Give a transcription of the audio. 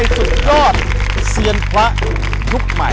สุดยอดเซียนพระยุคใหม่